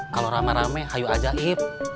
kalau rame rame ayo aja ip